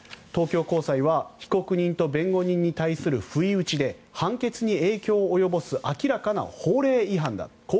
東京高裁は被告人と弁護人に対する不意打ちで判決に影響を及ぼす明らかな法令違反だと。